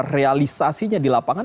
realisasinya di lapangan